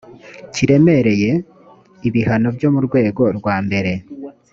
kiremereye ibihano byo mu rwego rwa mbere